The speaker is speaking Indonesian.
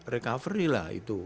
recoveri lah itu